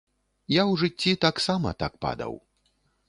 Я ў жыцці таксама так падаў.